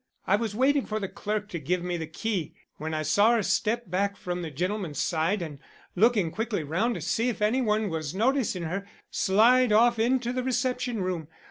I was waiting for the clerk to give me the key, when I saw her step back from the gentleman's side and, looking quickly round to see if any one was noticing her, slide off into the reception room.